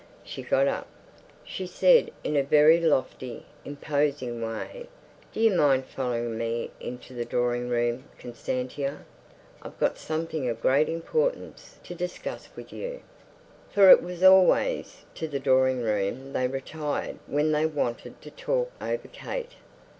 She got up. She said in a very lofty, imposing way, "Do you mind following me into the drawing room, Constantia? I've got something of great importance to discuss with you." For it was always to the drawing room they retired when they wanted to talk over Kate.